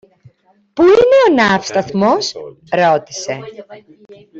Πού είναι ο ναύσταθμος; ρώτησε.